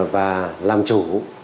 và làm chủ